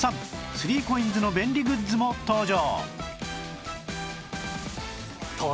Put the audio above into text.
３ＣＯＩＮＳ の便利グッズも登場